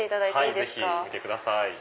ぜひ見てください。